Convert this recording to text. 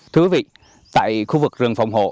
thưa quý vị tại khu vực rừng phòng hộ